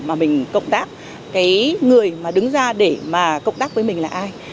mà mình công tác cái người mà đứng ra để mà công tác với mình là ai